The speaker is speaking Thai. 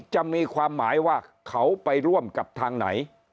จะมีความหมายว่าเขาไปร่วมกับทางไหน